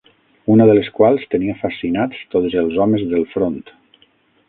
Una de les quals tenia fascinats tots els homes del front